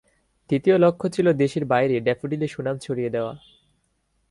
দ্বিতীয় লক্ষ্য ছিল দেশের বাইরে ড্যাফোডিলের সুনাম ছড়িয়ে দেওয়া।